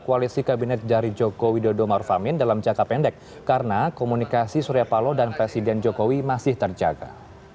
terusak kualisi kabinet dari jokowi dodo marfamin dalam jangka pendek karena komunikasi surya palo dan presiden jokowi masih terjaga